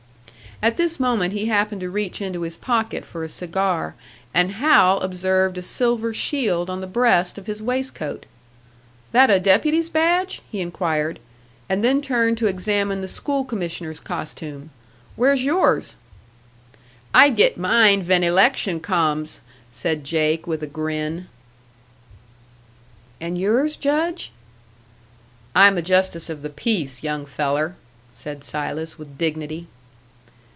At this moment he happened to reach into his pocket for a cigar, and Hal observed a silver shield on the breast of his waistcoat. "That a deputy's badge?" he inquired, and then turned to examine the School commissioner's costume. "Where's yours?" "I git mine ven election comes," said Jake, with a grin. "And yours, Judge?" "I'm a justice of the peace, young feller," said Silas, with dignity.